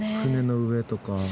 船の上とか。